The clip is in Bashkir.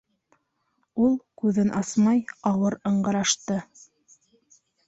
Ул, күҙен асмай, ауыр ыңғырашты.